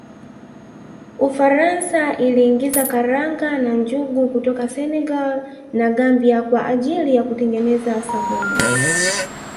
Ufaransa iliingiza karanga na njugu kutoka Senegal na Gambia kwa ajili ya kutengeneza sabuni